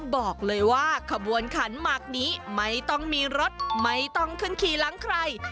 บอกเลยว่าขบวนขันหมักนี้ไม่ต้องมีรถไม่ต้องขึ้นขี่หลังใคร